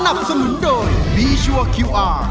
สนับสนุนโดยบีชัวร์คิวอาร์